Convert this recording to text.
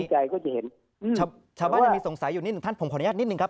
คุณเจ้าบ้านหน่อยแต่มีสงสัยผมขออนุญาตนิดนึงครับ